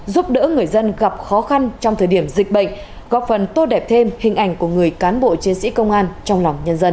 giúp đỡ người dân gặp khó khăn trong thời điểm dịch bệnh góp phần tô đẹp thêm hình ảnh của người cán bộ chiến sĩ công an trong lòng nhân dân